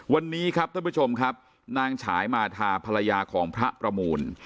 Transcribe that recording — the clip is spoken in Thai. วันนี้ครับท่านผู้ชมครับนางฉายมาทาภรรยาของพระประมูล